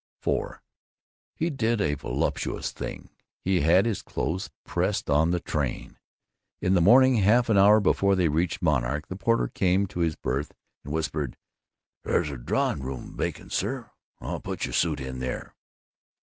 IV He did a voluptuous thing: he had his clothes pressed on the train. In the morning, half an hour before they reached Monarch, the porter came to his berth and whispered, "There's a drawing room vacant, sir. I put your suit in there."